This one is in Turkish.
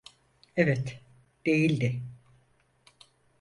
Evet, değildi.